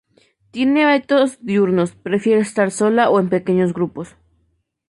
Tiene hábitos diurnos, prefiere estar sola o en pequeños grupos.